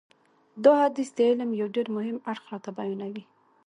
دا حدیث د علم یو ډېر مهم اړخ راته بیانوي.